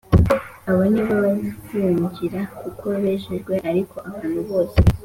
Abo ni bo bazinjira kuko bejejwe ariko abantu bose